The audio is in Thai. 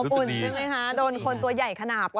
อบอุ่นเลยด้วยมั้ยคะโดนคนตัวใหญ่ขนาบว่ะ